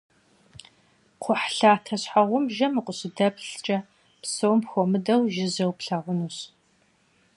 Kxhuhlhate şheğubjjem vukhışıdeplhç'e psom xuemıdeu jjıjeu plhağunuş.